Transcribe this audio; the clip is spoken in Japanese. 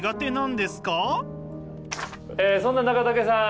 そんな中武さん